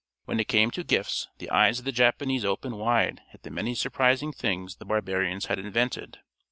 When it came to gifts, the eyes of the Japanese opened wide at the many surprising things the barbarians had invented.